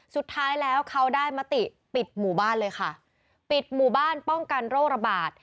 สุดท้ายแล้วเขาได้มติปิดหมู่บ้านเลยค่ะปิดหมู่บ้านป้องกันโรคระบาด